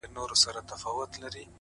o نن مي بيا پنـځه چيلمه ووهـل؛